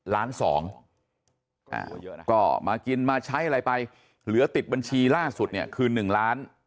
ล้านสองอ่าก็มากินมาใช้อะไรไปเหลือติดบัญชีล่าสุดเนี่ยคือ๑ล้าน